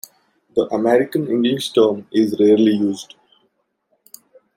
The American English term is rarely used.